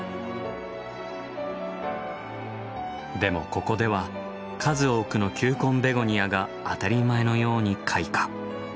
でもここでは数多くの球根ベゴニアが当たり前のように開花。